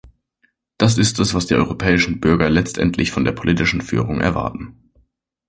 Das ist es, was die europäischen Bürger letztendlich von der politischen Führung erwarten.